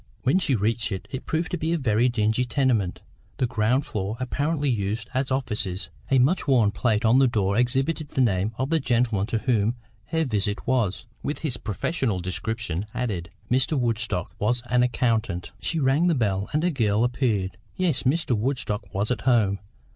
When she reached it, it proved to be a very dingy tenement, the ground floor apparently used as offices; a much worn plate on the door exhibited the name of the gentleman to whom her visit was, with his professional description added. Mr. Woodstock was an accountant. She rang the bell, and a girl appeared. Yes, Mr. Woodstock was at home.